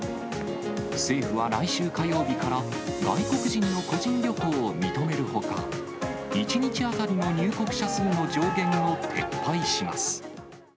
政府は来週火曜日から、外国人の個人旅行を認めるほか、１日当たりの入国者数の上限を撤廃します。